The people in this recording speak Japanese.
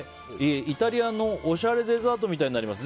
イタリアのおしゃれデザートみたいになります。